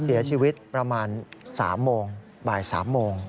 เสียชีวิตประมาณ๓โมงบ่าย๓โมง